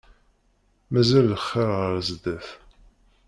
Mazal lxir ɣer sdat.